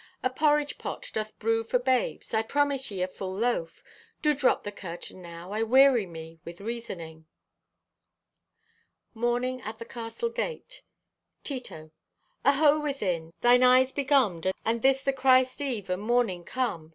A porridge pot doth brew for babes; I promise ye a full loaf. Do drop the curtain now, I weary me with reasoning." (Morning at the Castle Gate.) (Tito) "Aho, within! Thine eyes begummed and this the Christ eve and mornin' come?